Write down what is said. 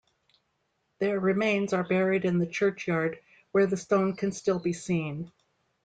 Their remains are buried in the churchyard, where the stone can still be seen.